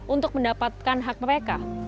untuk mendapatkan hak mereka